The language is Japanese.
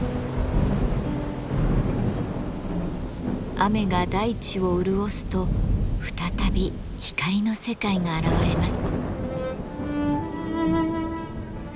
雨が大地を潤すと再び光の世界が現れます。